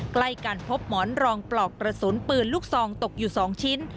ใกล้กันพบหมอนรองปลอกกระสุนปืนลูกซองตกอยู่๒ชิ้น